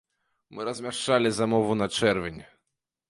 Мы размяшчалі замову на чэрвень.